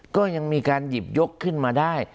ก็ยังมีการหยิบยกขึ้นมาได้